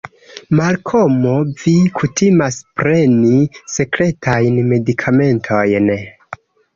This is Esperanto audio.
Malkomo, vi kutimas preni sekretajn medikamentojn.